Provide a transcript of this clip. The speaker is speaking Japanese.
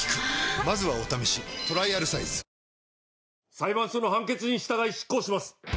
裁判所の判決に従い執行します！